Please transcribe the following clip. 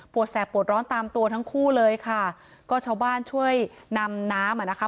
แสบปวดร้อนตามตัวทั้งคู่เลยค่ะก็ชาวบ้านช่วยนำน้ำอ่ะนะคะ